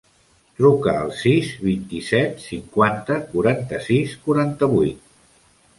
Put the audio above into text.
Truca al sis, vint-i-set, cinquanta, quaranta-sis, quaranta-vuit.